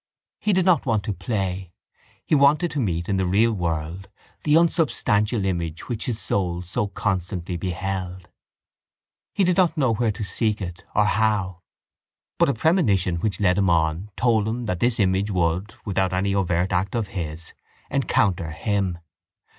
He did not want to play. He wanted to meet in the real world the unsubstantial image which his soul so constantly beheld. He did not know where to seek it or how but a premonition which led him on told him that this image would, without any overt act of his, encounter him.